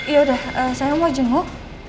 ya udah saya mau jenguk